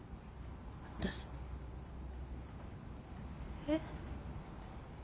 えっ？